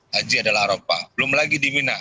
haji adalah aropa belum lagi di mina